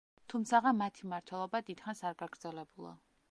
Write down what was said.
თუმცაღა მათი მმართველობა დიდხანს არ გაგრძელებულა.